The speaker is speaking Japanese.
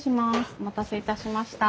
お待たせいたしました。